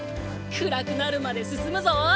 暗くなるまで進むぞー！